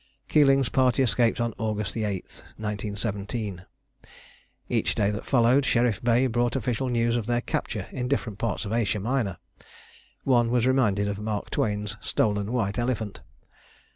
Keeling's party escaped on August 8, 1917. Each day that followed, Sherif Bey brought official news of their capture in different parts of Asia Minor. One was reminded of Mark Twain's stolen white elephant.